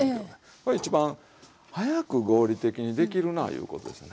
これ一番早く合理的にできるないうことですね。